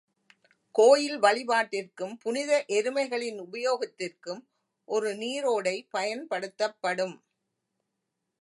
கோயில் வழிபாட்டிற்கும், புனித எருமைகளின் உபயோகத்திற்கும் ஒரு நீரோடை பயன்படுத்தப்படும்.